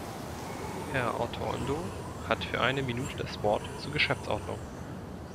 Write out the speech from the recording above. Herr Ortuondo hat für eine Minute das Wort zur Geschäftsordnung.